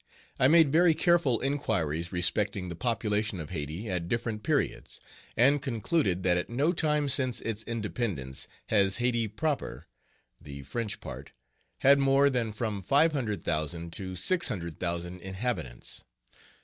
I made very careful inquiries respecting the population of Hayti at different periods, and concluded that at no time since its independence has Hayti proper the French part had more than from 500,000 to 600,000 inhabitants.